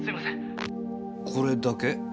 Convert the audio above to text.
これだけ？